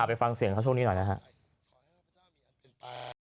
อ่าไปฟังเสียงเขาช่วงนี้หน่อยนะฮะ